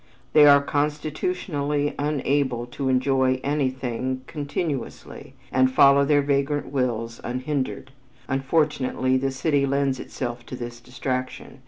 They are constitutionally unable to enjoy anything continuously and follow their vagrant wills unhindered. Unfortunately the city lends itself to this distraction.